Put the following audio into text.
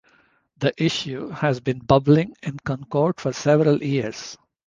The issue has been bubbling in Concord for several years.